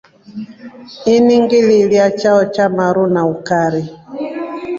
Ini ngililya chao cha maru na ukari.